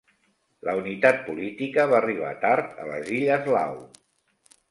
La unitat política va arribar tard a les Illes Lau.